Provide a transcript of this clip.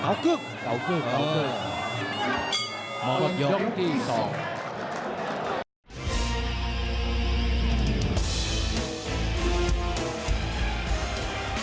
เก่าเกือกเก่ากูกเก่ากูก